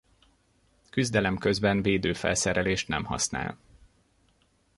Küzdelem közben védőfelszerelést nem használ.